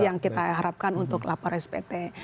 yang kita harapkan untuk lapor spt